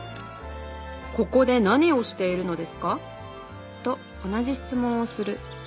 「ここで何をしているのですか？」と同じ質問をする。